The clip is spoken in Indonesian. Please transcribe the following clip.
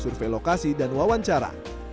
relokasi dan wawancara